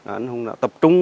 anh hùng đã tập trung